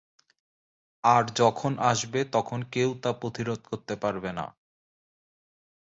আর যখন আসবে তখন কেউ তা প্রতিরোধ করতে পারবে না।